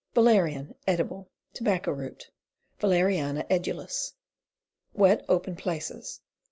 Valerian, Edible. Tobacco root. Valeriana edulis. Wet open places.